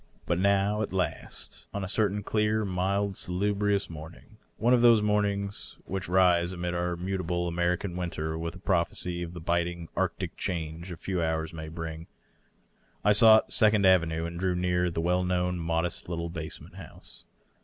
But now, at last, on a certain clear, mild, salubrious morning — one. of those morning which rise amid our muta ble American winter with a prophecy of tiae biting, arctic change a few hours may bring — ^I sought Second Avenue and drew near the well known modest little basement house.